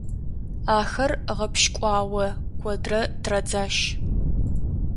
Ахэр гъэпщкӏуауэ куэдрэ традзащ.